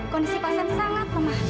kondisi pasien sangat lemah